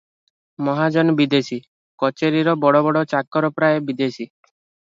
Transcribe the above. ମହାଜନ ବିଦେଶୀ, କଚେରିର ବଡ଼ ବଡ଼ ଚାକର ପ୍ରାୟ ବିଦେଶୀ ।